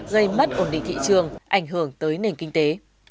gây mất ổn định thị trường ảnh hưởng tới nền kinh tế